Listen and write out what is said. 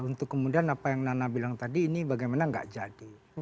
untuk kemudian apa yang nana bilang tadi ini bagaimana nggak jadi